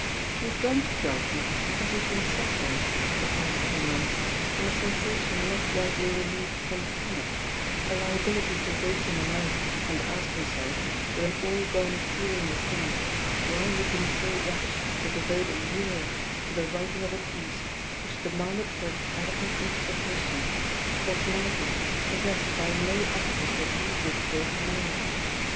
He had gone to Brighton because he had been suffering, for the past three months, from a sensation not widely removed from panic, a liability to wake in the night and ask himself » 236 tS6 THE POSITION OF PEGGY HARPER with an all gone feeling in the stomach, why he had been so rash as to devote a year to the writing of a piece which demanded for its adequate in terpretation a personality possessed by no actress that he could call to mind.